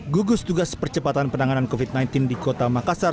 gugus tugas percepatan penanganan covid sembilan belas di kota makassar